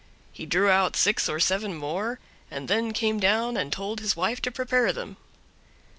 He drew out six or seven more, and then came down and told his wife to prepare them.